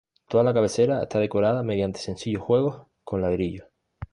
Toda la cabecera está decorada mediante sencillos juegos con ladrillo.